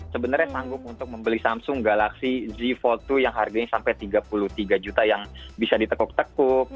sebenarnya sanggup untuk membeli samsung galaxy z empat dua yang harganya sampai tiga puluh tiga juta yang bisa ditekuk tekuk